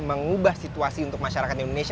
mengubah situasi untuk masyarakat indonesia